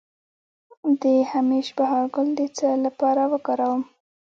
د همیش بهار ګل د څه لپاره وکاروم؟